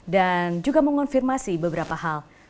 dan juga mengonfirmasi beberapa hal